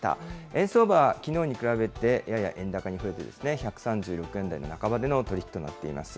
円相場はきのうに比べてやや円高にふれて、１３６円台の半ばでの取り引きとなっています。